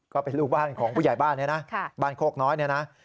ก็เป็นลูกบ้านของผู้ใหญ่บ้านนะบ้านโคกน้อยนะ